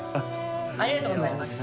片桐Ｄ）ありがとうございます。